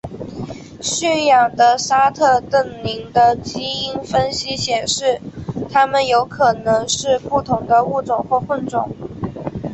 驯养的沙特瞪羚的基因分析显示它们有可能是不同的物种或混种。